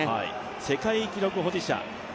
世界記録保持者